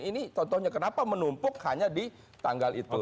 ini contohnya kenapa menumpuk hanya di tanggal itu